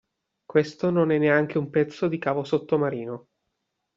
Questo non è neanche un pezzo di cavo sottomarino.